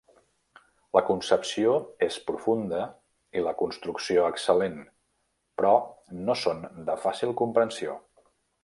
La concepció és profunda i la construcció excel·lent, però no són de fàcil comprensió.